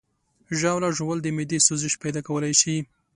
ژاوله ژوول د معدې سوزش پیدا کولی شي.